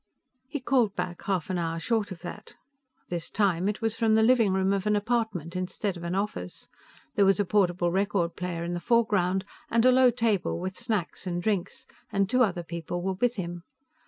He called back half an hour short of that. This time, it was from the living room of an apartment instead of an office. There was a portable record player in the foreground and a low table with snacks and drinks, and two other people were with him.